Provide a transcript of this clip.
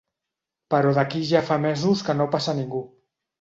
Però d'aquí ja fa mesos que no passa ningú.